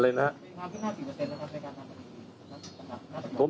อะไรนะครับ